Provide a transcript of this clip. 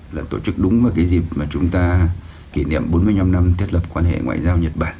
là tổ chức đúng vào cái dịp mà chúng ta kỷ niệm bốn mươi năm năm thiết lập quan hệ ngoại giao nhật bản